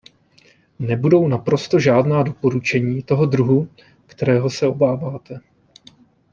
Nebudou naprosto žádná doporučení toho druhu, kterého se obáváte.